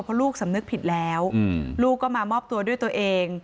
เพราะลูกสำนึกผิดแล้วลูกก็มามอบตัวด้วยตัวเอง